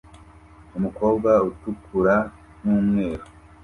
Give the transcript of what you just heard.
Umukobwa utukura n'umweru